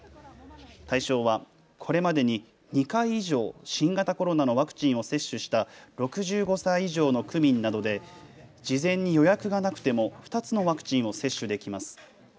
対象はこれまでに２回以上新型コロナのワクチンを接種した６５歳以上の区民などで事前に予約がなくても２つのワクチンを接種できます。